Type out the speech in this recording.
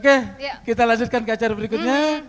oke kita lanjutkan ke acara berikutnya